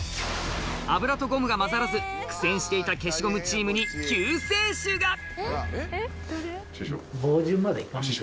油とゴムが混ざらず、苦戦していた消しゴムチームに救世主が。